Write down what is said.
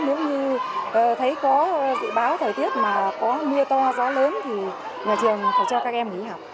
nếu như thấy có dự báo thời tiết mà có mưa to gió lớn thì nhà trường phải cho các em nghỉ học